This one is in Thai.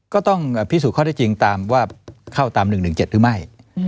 ก็ต้องพิสูจน์ข้อที่จริงตามว่าเข้าตามหนึ่งหนึ่งเจ็ดหรือไม่อืม